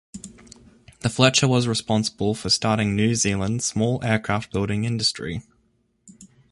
The Fletcher was responsible for starting New Zealand's small aircraft building industry.